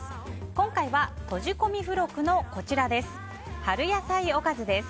今回はとじ込み付録のこちらです。